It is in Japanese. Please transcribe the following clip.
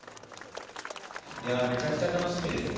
いやー、めちゃくちゃ楽しみですね。